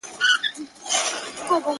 نو په سندرو کي به تا وينمه,